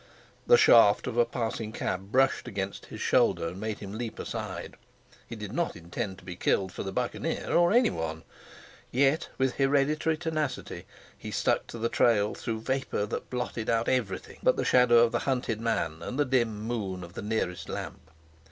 The shaft of a passing cab brushed against his shoulder and made him leap aside. He did not intend to be killed for the Buccaneer, or anyone. Yet, with hereditary tenacity, he stuck to the trail through vapour that blotted out everything but the shadow of the hunted man and the dim moon of the nearest lamp.